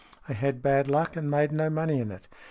I had bad luck and made no money in it.